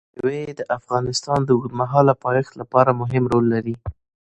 مېوې د افغانستان د اوږدمهاله پایښت لپاره مهم رول لري.